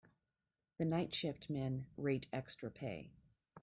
The night shift men rate extra pay.